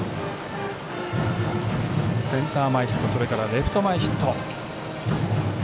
センター前ヒットそれからレフト前ヒット。